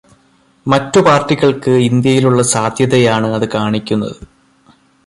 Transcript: മറ്റ് പാർട്ടികൾക്ക് ഇന്ത്യയിലുള്ള സാധ്യതയാണ് അത് കാണിക്കുന്നത്.